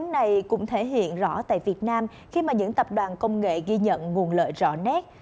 này cũng thể hiện rõ tại việt nam khi mà những tập đoàn công nghệ ghi nhận nguồn lợi rõ nét